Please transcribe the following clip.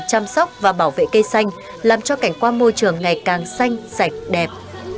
chăm sóc và bảo vệ cây xanh làm cho cảnh quan môi trường ngày càng xanh sạch đẹp